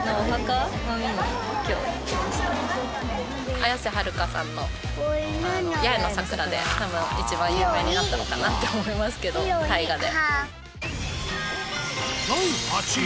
綾瀬はるかさんの『八重の桜』で多分一番有名になったのかなって思いますけど大河で。